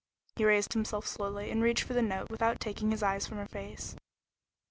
He raised himself slowly and reached for the note without taking his eyes from her face.